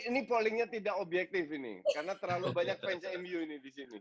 ini pollingnya tidak objektif ini karena terlalu banyak pencah m u ini di sini